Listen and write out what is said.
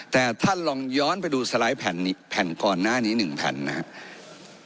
แต่ท่านลองย้อนไปดูสไลด์แผ่นก่อนหน้านี้๑แผ่นนะครับ